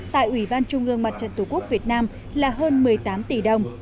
tại ubndtqvn là hơn một mươi tám tỷ đồng